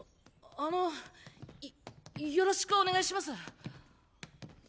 あのよよろしくお願いします。